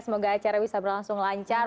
semoga acara bisa berlangsung lancar